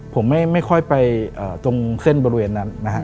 ผมไม่ค่อยไปตรงเส้นบริเวณนั้นนะฮะ